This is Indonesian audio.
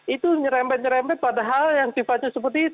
itu nyerempet nyerempet padahal yang sifatnya seperti itu